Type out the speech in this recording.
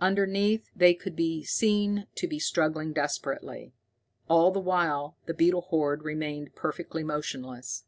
Underneath it they could be seen to be struggling desperately. All the while the beetle horde remained perfectly motionless.